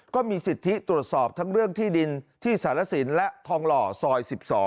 ก็มีสิทธิตรวจสอบทั้งเรื่องที่ดินที่สารสินและทองหล่อซอย๑๒